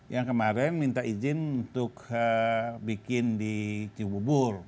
yang kemarin minta izin untuk bikin di cibubur